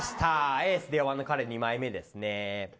エースで４番の彼、２枚目ですね。